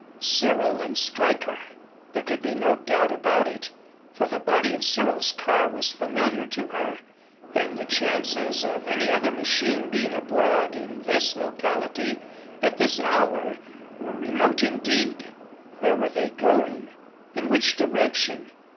Cyril and Stryker! There could be no doubt of it, for the body of Cyril's car was familiar to her and the chances of any other machine being abroad in this locality at this hour were remote indeed. Where were they going? In which direction?